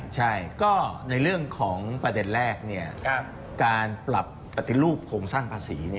ใช่ก็ในเรื่องของประเด็นแรกการปรับปฏิรูปโครงสร้างภาษี